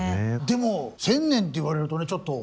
でも１０００年って言われるとねちょっと。